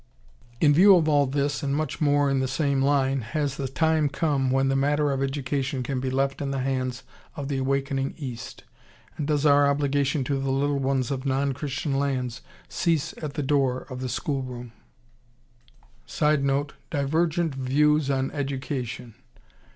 In view of all this and much more in the same line, has the time come when the matter of education can be left in the hands of the awakening East, and does our obligation to the little ones of non Christian lands cease at the door of the school room? [Sidenote: Divergent views on education.